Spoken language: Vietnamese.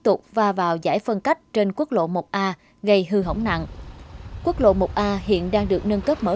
tục và vào giải phân cách trên quốc lộ một a gây hư hỏng nặng quốc lộ một a hiện đang được nâng cấp mở